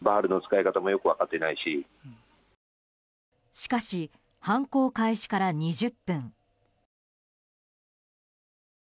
しかし、犯行開始から２０分。